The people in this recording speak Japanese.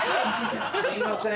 すいません